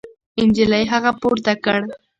نجلۍ هغه پورته کړ.